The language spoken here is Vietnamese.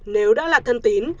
nếu đã là thân tính